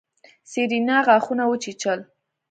سېرېنا غاښونه وچيچل.